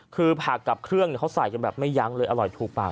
คือผักกับเครื่องเขาใส่กันแบบไม่ยั้งเลยอร่อยถูกปาก